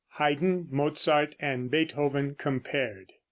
HAYDN, MOZART AND BEETHOVEN COMPARED.